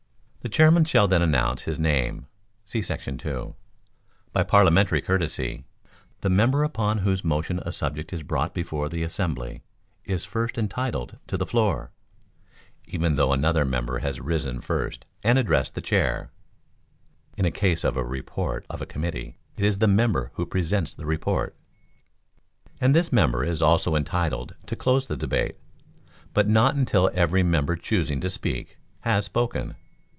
] The Chairman shall then announce his name [see § 2]. By parliamentary courtesy, the member upon whose motion a subject is brought before the assembly is first entitled to the floor, even though another member has risen first and addressed the Chair; [in case of a report of a committee, it is the member who presents the report] ; and this member is also entitled to close the debate, but not until every member choosing to speak, has spoken.